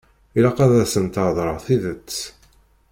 Ilaq ad asen-theḍṛeḍ tidet.